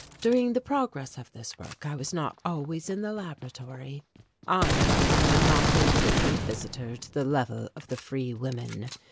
During the progress of this work I was not always in the laboratory. I had become a not infrequent visitor to the Level of the Free Women.